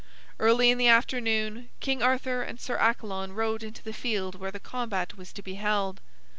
Early in the afternoon, King Arthur and Sir Accalon rode into the field where the combat was to be held.